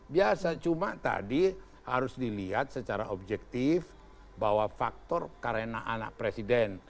biasa cuma tadi harus dilihat secara objektif bahwa faktor karena anak presiden